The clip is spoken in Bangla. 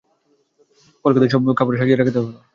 কলাপাতায় সব খাবার সাজিয়ে দেওয়া হলো।